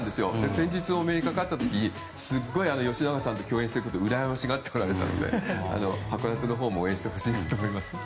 先日お目にかかった時に吉永さんと共演していることうらやましがっていましたので函館のほうも応援してほしいと思います。